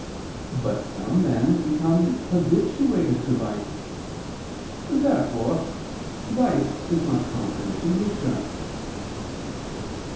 But some men become habituated to vice. Therefore vice is not contrary to nature.